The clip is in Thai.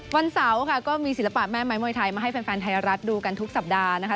วันเสาร์ค่ะก็มีศิลปะแม่ไม้มวยไทยมาให้แฟนไทยรัฐดูกันทุกสัปดาห์นะคะ